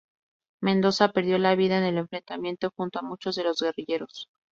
Mendoza perdió la vida en el enfrentamiento, junto a muchos de los guerrilleros.